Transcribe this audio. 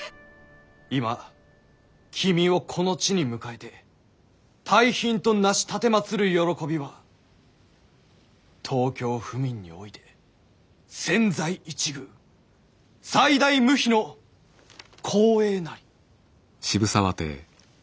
「今君をこの地に迎えて大賓となし奉る慶びは東京府民において千載一遇最大無比の光栄なり」。